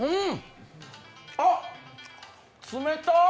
あっ、冷たっ！